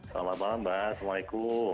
selamat malam mbak assalamualaikum